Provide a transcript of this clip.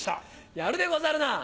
やるでござるな。